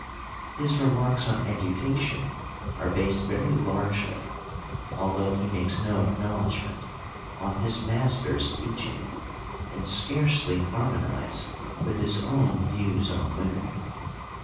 His re marks on education are based very largely, although he makes no acknowledgment, on his master's teaching and scarcely harmonise with his own views on women.